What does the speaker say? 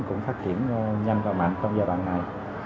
cũng phát triển nhanh và mạnh trong giai đoạn này